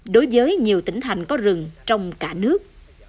đối với nhiều tỉnh thành có rừng trong cả nước